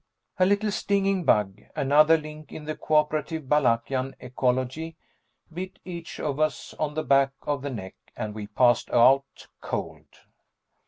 A little stinging bug another link in the cooperative Balakian ecology bit each of us on the back of the neck and we passed out cold.